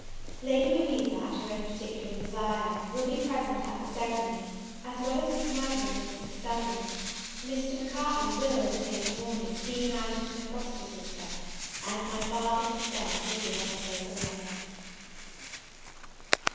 Lady Louisa, at her own particular desire, will be present at the ceremony, as well as Miss Mirvan and Mrs. Selwyn: Mr. Macartney will, the same morning, be united to my foster sister; and my father himself will give us both away.